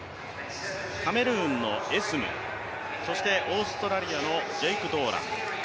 カメルーンのエスム、オーストラリアのジェイク・ドーラン。